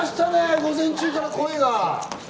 午前中から声が。